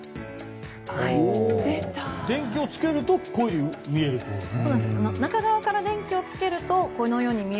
電気をつけるとこういうふうに見えるってことだね。